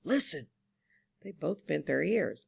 Listen !They both bent their ears.